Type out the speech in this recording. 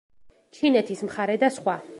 ჩინეთის მხარე და სხვა.